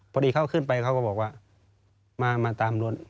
พอดีเขาขึ้นไปเขาก็บอกว่ามาตามรถ